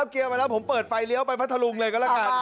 เอาเกียร์มาแล้วผมเปิดไฟเลี้ยวไปพัทรลุงเลยก็ละกัน